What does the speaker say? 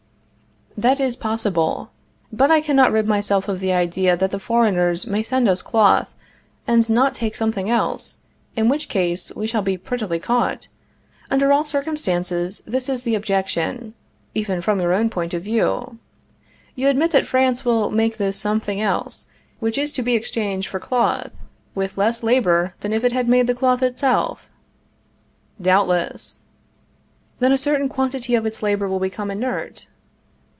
That is possible; but I cannot rid myself of the idea that the foreigners may send us cloth and not take something else, in which case we shall be prettily caught. Under all circumstances, this is the objection, even from your own point of view. You admit that France will make this something else, which is to be exchanged for cloth, with less labor than if it had made the cloth itself? Doubtless. Then a certain quantity of its labor will become inert?